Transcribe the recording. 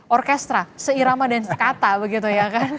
orkestra seirama dan sekata begitu ya kan